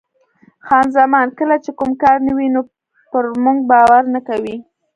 خان زمان: کله چې کوم کار نه وي نو پر موږ باور نه کوي.